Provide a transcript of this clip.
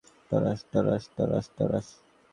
একটা মেয়ে জন্মগ্রহণ করে এবং তারা তাকে অরোরা নামে ডাকতো।